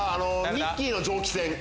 ミッキーの蒸気船。